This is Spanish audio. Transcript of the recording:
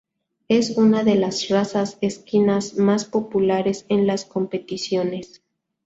Es una de las razas equinas más populares en las competiciones.